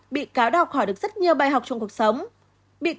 bị cáo bích nói